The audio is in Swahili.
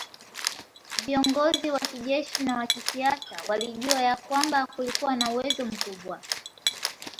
Viongozi wa kijeshi na wa kisiasa walijua ya kwamba kulikuwa na uwezo mkubwa